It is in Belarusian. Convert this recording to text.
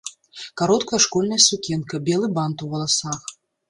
Кароткая школьная сукенка, белы бант ў валасах.